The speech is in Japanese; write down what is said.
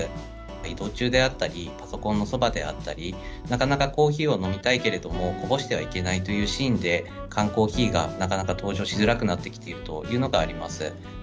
移動中であったり、パソコンのそばであったり、なかなかコーヒーを飲みたいけれどもこぼしてはいけないというシーンで、缶コーヒーがなかなか登場しづらくなってきているというのがあり